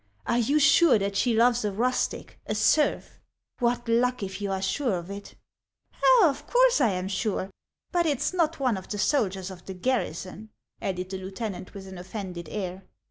" Are you sure that she loves a rustic, a serf ? What luck, if you are sure of it !"" Oh, of course I am sure. But it 's not one of the soldiers of the garrison," added the lieutenant, with an offended air.